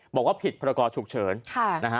บอกว่าผิดภรรกอฉุกเฉิน